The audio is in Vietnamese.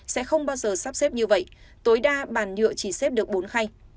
sẽ không bao giờ sắp xếp như vậy tối đa bàn nhựa chỉ xếp được bốn khay